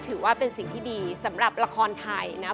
ถือว่าเป็นสิ่งที่ดีสำหรับละครไทยนะ